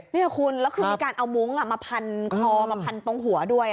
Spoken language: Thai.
นี่คุณแล้วคือมีการเอามุ้งมาพันคอมาพันตรงหัวด้วย